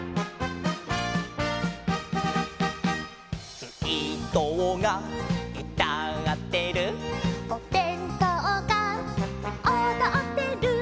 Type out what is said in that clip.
「すいとうがうたってる」「おべんとうがおどってる」